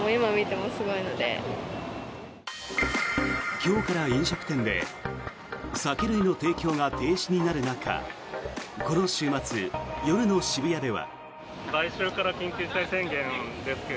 今日から飲食店で酒類の提供が停止になる中この週末、夜の渋谷では。